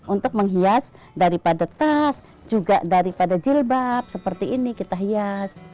untuk menghias daripada tas juga daripada jilbab seperti ini kita hias